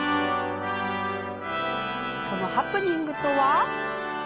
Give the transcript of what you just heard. そのハプニングとは。